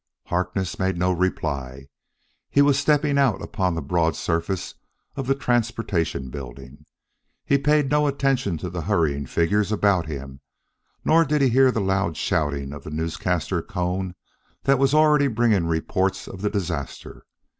Harkness made no reply. He was stepping out upon the broad surface of the Transportation Building. He paid no attention to the hurrying figures about him, nor did he hear the loud shouting of the newscasting cone that was already bringing reports of the disaster.